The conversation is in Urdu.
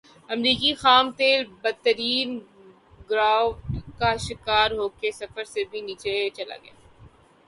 امریکی خام تیل بدترین گراوٹ کا شکار ہوکر صفر سے بھی نیچے چلا گیا